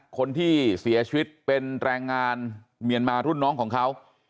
คนที่เสียชีวิตเป็นแรงงานเมียนมารุ่นน้องของเขา